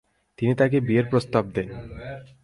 তিনি তাকে বিয়ের প্রস্তাব দেন।